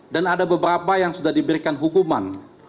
dan ada beberapa yang sudah diberikan hukuman